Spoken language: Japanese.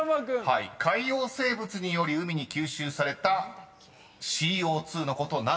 ［海洋生物により海に吸収されたＣＯ２のことを何というのか］